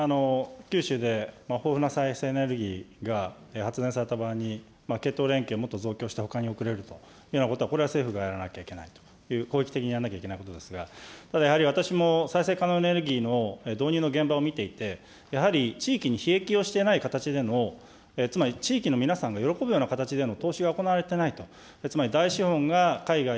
九州で豊富な再生エネルギーが発電された場合に、系統電源を強化してもっと送れると、これをやらなきゃいけない、広域的にやらなきゃいけないことですが、ただやはり、私も再生可能エネルギーの導入の現場を見ていて、やはり地域に裨益をしていない形での、つまり地域の皆さんが喜ぶような形での投資が行われていないと。